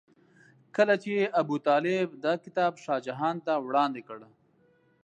کله چې ابوطالب دا کتاب شاه جهان ته وړاندې کړ.